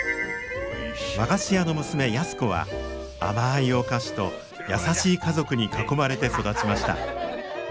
和菓子屋の娘安子は甘いお菓子と優しい家族に囲まれて育ちました。